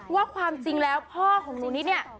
ว่าความจริงแล้วพ่อของหนูนิดเนี่ย